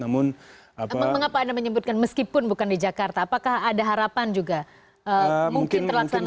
mengapa anda menyebutkan meskipun bukan di jakarta apakah ada harapan juga mungkin terlaksana